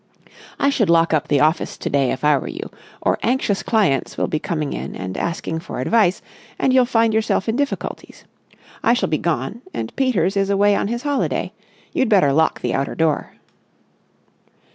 "I should lock up the office to day if I were you, or anxious clients will be coming in and asking for advice, and you'll find yourself in difficulties. I shall be gone, and Peters is away on his holiday. You'd better lock the outer door."